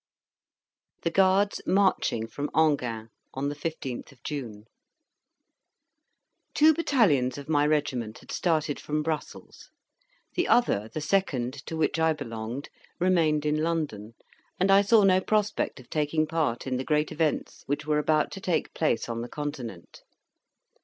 THE GUARDS MARCHING FROM ENGHIEN ON THE 15TH OF JUNE Two battalions of my regiment had started from Brussels; the other (the 2nd), to which I belonged, remained in London, and I saw no prospect of taking part in the great events which were about to take place on the Continent.